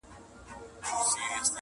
د رنځورو زګېروي ځي له ربابونو.!